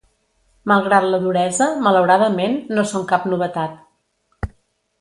Malgrat la duresa, malauradament, no són cap novetat.